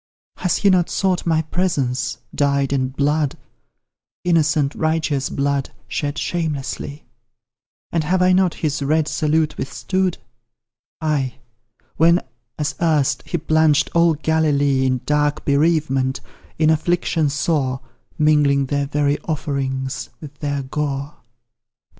Has he not sought my presence, dyed in blood Innocent, righteous blood, shed shamelessly? And have I not his red salute withstood? Ay, when, as erst, he plunged all Galilee In dark bereavement in affliction sore, Mingling their very offerings with their gore.